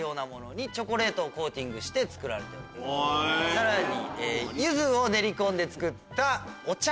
さらに。